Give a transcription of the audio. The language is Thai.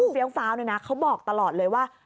ฟิ้งฟ้าวนี่นะเขาบอกตลอดเลยว่า